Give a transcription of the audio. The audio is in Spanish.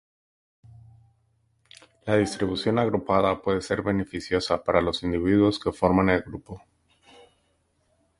La distribución agrupada puede ser beneficiosa para los individuos que forman el grupo.